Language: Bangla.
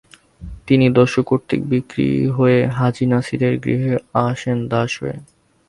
তিনি দস্যুকর্তৃক বিক্রি হয়ে হাজী নাসিরের গৃহে আসেন দাস হয়ে।